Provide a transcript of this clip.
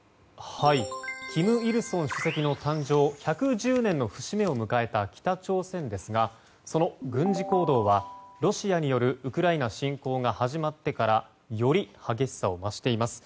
金日成主席の誕生１１０年の節目を迎えた北朝鮮ですがその軍事行動はロシアによるウクライナ侵攻が始まってからより激しさを増しています。